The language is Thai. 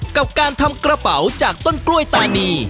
กับการทำกระเป๋าจากต้นกล้วยตานี